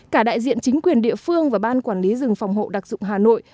cả đại diện chính quyền địa phương và ban quản lý rừng phòng hộ đặc dụng hà nội